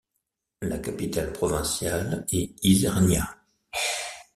La capitale provinciale est Isernia.